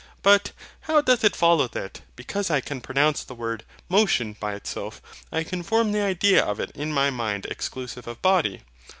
But, how doth it follow that, because I can pronounce the word MOTION by itself, I can form the idea of it in my mind exclusive of body?